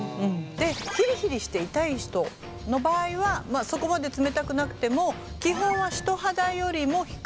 でヒリヒリして痛い人の場合はそこまで冷たくなくても基本は人肌よりも低い温度。